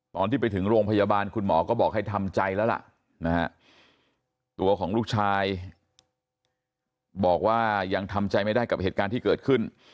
ตอนที่ไปถึงโรงพยาบาลคุณหมอก็บอกให้ทำใจแล้วล่ะนะฮะตัวของลูกชายบอกว่ายังทำใจไม่ได้กับเหตุการณ์ที่เกิดขึ้น